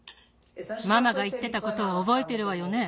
ママがいってたことをおぼえてるわよね？